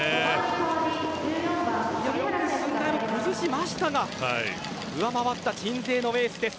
よく駿台も崩しましたが上回った鎮西のエースです。